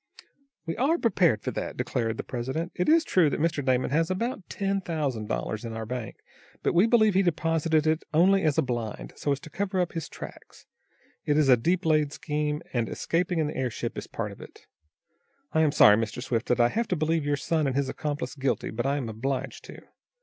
"We are prepared for that," declared the president. "It is true that Mr. Damon has about ten thousand dollars in our bank, but we believe he deposited it only as a blind, so as to cover up his tracks. It is a deep laid scheme, and escaping in the airship is part of it. I am sorry, Mr. Swift, that I have to believe your son and his accomplice guilty, but I am obliged to.